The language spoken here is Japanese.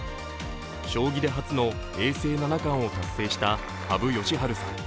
将棋で初の永世七冠を達成した羽生善治さん